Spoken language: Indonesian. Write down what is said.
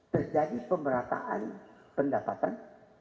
terjadi pemerataan pendapatan